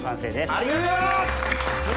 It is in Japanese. ありがとうございます！